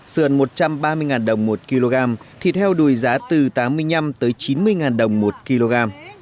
sườn một trăm ba mươi đồng một kg thịt heo đùi giá từ tám mươi năm tới chín mươi đồng một kg